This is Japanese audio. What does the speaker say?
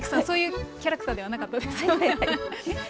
そういうキャラクターではなかったですよね。